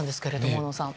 小野さん。